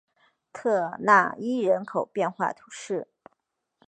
特讷伊人口变化图示